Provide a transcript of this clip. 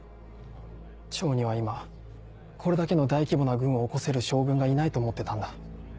趙には今これだけの大規模な軍を興せる将軍がいないと思ってたんだ。